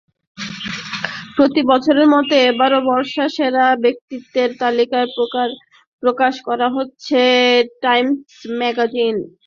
প্রতি বছরের মতো এবারও বর্ষসেরা ব্যক্তিদের তালিকা প্রকাশ করতে যাচ্ছে টাইমস ম্যাগাজিন।